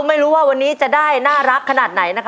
ไม่รู้ว่าวันนี้จะได้น่ารักขนาดไหนนะคะ